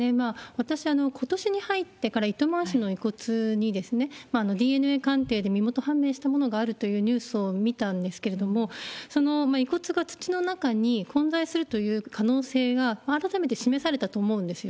私、ことしに入ってから糸満市の遺骨に、ＤＮＡ鑑定で身元判明したものがあるっていうニュースを見たんですけれども、その遺骨が土の中に混在するという可能性が改めて示されたと思うんですよ。